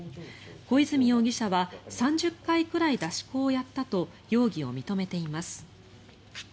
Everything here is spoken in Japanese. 小出水容疑者は３０回くらい出し子をやったと容疑を認めています。